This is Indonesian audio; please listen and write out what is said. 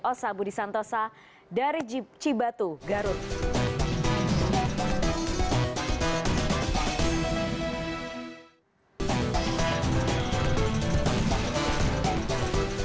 osa budi santosa dari cibatu garut